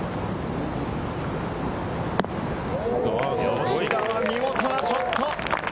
吉田は見事なショット！